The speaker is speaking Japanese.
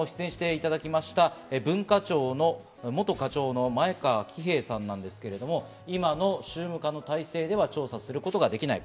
ＶＴＲにも出演していただいた文化庁の元課長の前川喜平さんですが、今の宗務課の体制では調査することできない。